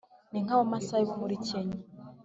ni nk’abamasayi bo muri kenya,